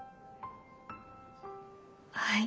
はい。